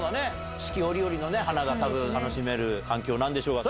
四季折々の花が多分楽しめる環境なんでしょうが。